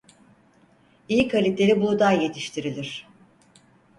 İyi kaliteli buğday yetiştirilir.